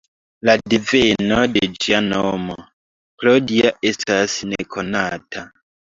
La deveno de ĝia nomo, ""Claudia"", estas nekonata.